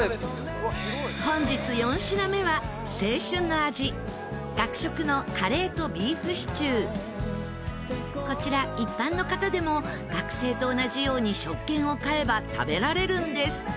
本日４品目はこちら一般の方でも学生と同じように食券を買えば食べられるんです。